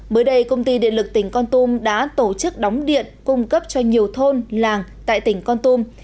mới đây công ty điện lực tỉnh con tum đã tổ chức đóng điện cung cấp cho nhiều thôn làng tại tỉnh con tum